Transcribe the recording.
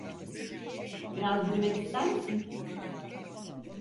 Biraz yürümek ister misin?